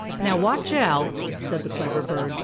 "Now watch out," said the clever bird.